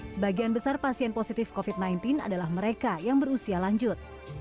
sebagian besar pasien positif covid sembilan belas adalah mereka yang berusia lanjut